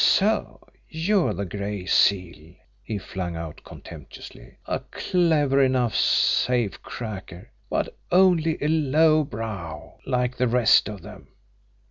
"So you're the Gray Seal!" he flung out contemptuously. "A clever enough safe cracker but only a lowbrow, like the rest of them.